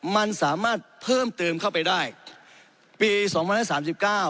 มันสามารถเพิ่มเติมเข้าไปได้ปีสองพันร้อยสามสิบเก้า